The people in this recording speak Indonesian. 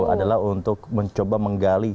adalah untuk mencoba menggali